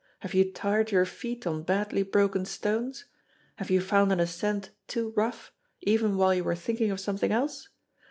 Have you tired your feet on badly broken stones? Have you found an ascent too rough, even while you were thinking of something else?